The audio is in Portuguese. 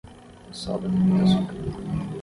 Soda tem muito açúcar.